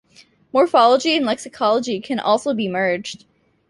Morphology and lexicology can also be merged.